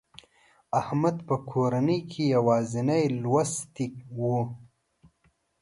احمد په کورنۍ کې یوازینی لوستي و.